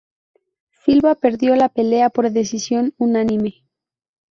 Silva perdió la pelea por decisión unánime.